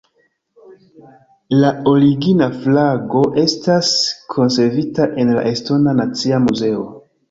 La origina flago estas konservita en la estona nacia muzeo.